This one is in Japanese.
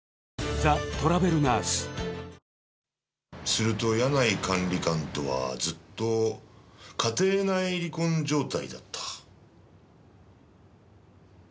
すると柳井管理官とはずっと家庭内離婚状態だった？